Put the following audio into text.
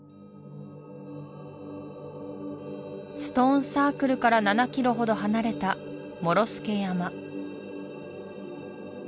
ストーン・サークルから７ｋｍほど離れた諸助山